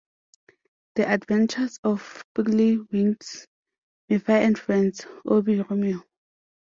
The Adventures of Piggley Winks", "Miffy and Friends", "Oobi", "Romeo!